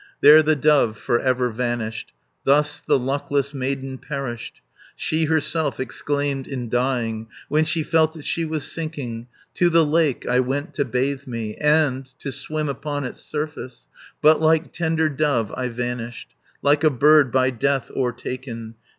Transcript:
There the dove for ever vanished, Thus the luckless maiden perished, She herself exclaimed in dying, When she felt that she was sinking: 330 "To the lake I went to bathe me, And to swim upon its surface, But, like tender dove, I vanished, Like a bird by death o'ertaken.